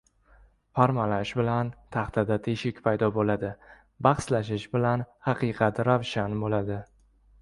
• Parmalash bilan taxtada teshik paydo bo‘ladi, bahslashish bilan haqiqat ravshan bo‘ladi.